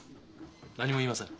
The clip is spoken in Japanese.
何も言いません。